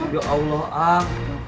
ya allah ang